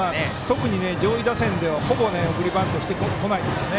特に上位打線ではほぼ送りバントしてこないですね